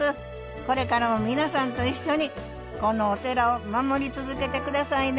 これからも皆さんと一緒にこのお寺を守り続けて下さいね。